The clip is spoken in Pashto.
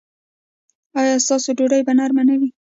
ایا ستاسو ډوډۍ به نرمه نه وي؟